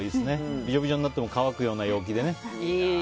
ビチョビチョになっても乾くような陽気でね。